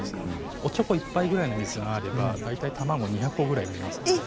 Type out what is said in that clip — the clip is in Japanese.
おちょこ１杯くらいの水があれば卵２００個ぐらい産みます。